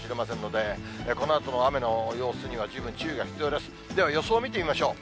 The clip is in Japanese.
では、予想見てみましょう。